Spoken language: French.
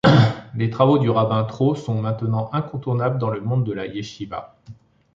Les travaux du rabbin Trop sont maintenant incontournable dans le monde de la yeshiva.